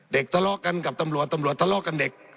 ทะเลาะกันกับตำรวจตำรวจทะเลาะกันเด็ก